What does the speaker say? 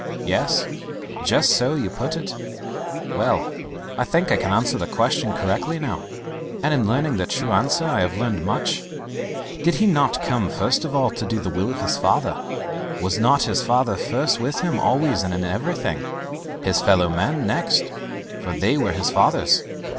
"Yes, just so you put it. Well, I think I can answer the question correctly now, and in learning the true answer I have learned much. Did he not come first of all to do the will of his Father? Was not his Father first with him always and in everything his fellow men next for they were his Father's?"